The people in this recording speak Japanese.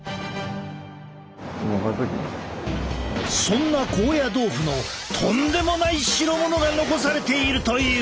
そんな高野豆腐のとんでもない代物が残されているという。